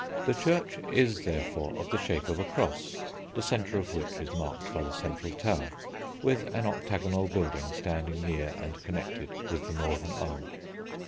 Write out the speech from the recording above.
The church is, therefore, of the shape of a cross (the centre of which is marked by the Central Tower) with an octagonal building standing near and connected with the northern arm.